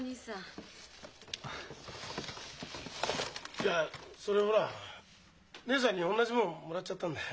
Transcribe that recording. いやそれほら義姉さんにおんなじ物もらっちゃったんだよ。